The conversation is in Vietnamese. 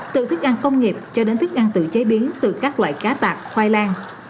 từ thức ăn công nghiệp cho đến thức ăn tự chế biến từ các loại cá tạp khoai lang